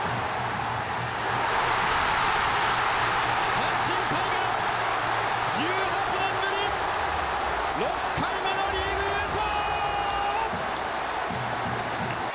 阪神タイガース１８年ぶり６回目のリーグ優勝！